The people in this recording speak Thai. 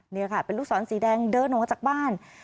นี่แหละค่ะเป็นลูกสอนสีแดงเดินออกจากบ้าน